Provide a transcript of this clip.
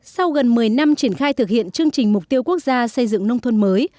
sau gần một mươi năm triển khai thực hiện chương trình mục tiêu quốc gia xây dựng nông thôn mới